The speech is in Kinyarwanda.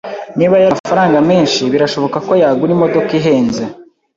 Niba yari afite amafaranga menshi, birashoboka ko yagura imodoka ihenze.